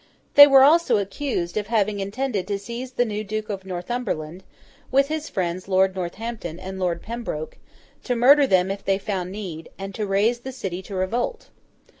They were also accused of having intended to seize the new Duke of Northumberland, with his friends Lord Northampton and Lord Pembroke; to murder them if they found need; and to raise the City to revolt.